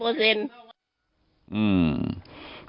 ถูกส่วนตัวเลย